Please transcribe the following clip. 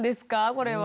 これは。